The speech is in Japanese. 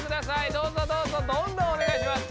どうぞどうぞどんどんおねがいします。